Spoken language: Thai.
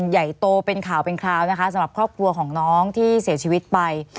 ใหญ่โตเป็นข่าวเป็นคราวนะคะสำหรับครอบครัวของน้องที่เสียชีวิตไป